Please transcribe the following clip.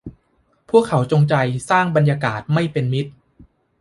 พวกเขาจงใจสร้างบรรยากาศไม่เป็นมิตร